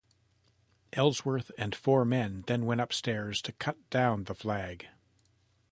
Ellsworth and four men then went upstairs to cut down the flag.